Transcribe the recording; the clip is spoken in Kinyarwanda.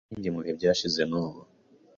ashingiye mubihe byashize nubu.